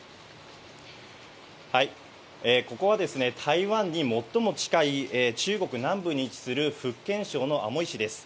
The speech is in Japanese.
ここはですね、台湾に最も近い中国南部に位置する福建省のアモイ市です。